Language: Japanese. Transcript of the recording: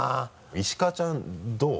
石川ちゃんどう？